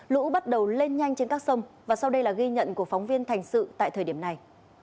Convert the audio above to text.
lũ bắt đầu lên nhanh trên các sông và sau đây là ghi nhận của phóng viên thành sự tại thời điểm này